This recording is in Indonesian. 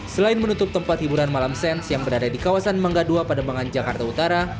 selain menutup tempat hiburan malam sains yang berada di kawasan mangga dua pademangan jakarta utara